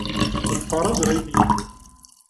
Ḍfeṛ abrid-ik.